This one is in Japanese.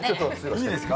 いいですか？